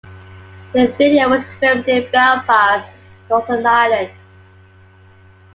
The video was filmed in Belfast, Northern Ireland.